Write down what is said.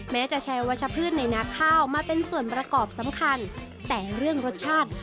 แม้จะแชร์วัชพืชในนาข้าวมาเป็นส่วนประกอบสำคัญแต่เรื่องรสชาติ